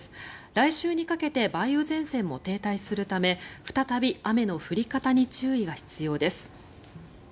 来週にかけて梅雨前線も停滞するため再び、雨の降り方に注意が必要です。